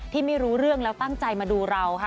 ไม่รู้เรื่องแล้วตั้งใจมาดูเราค่ะ